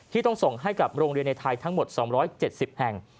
ต้องส่งให้กับโรงเรียนในไทยทั้งหมด๒๗๐แห่ง